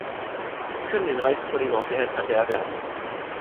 Sie können den Reispudding auf der Herdplatte erwärmen